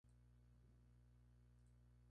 Comenzó a cantar muy joven en cabarets parisinos.